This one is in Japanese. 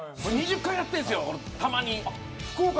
２０回やってるんです、たまに。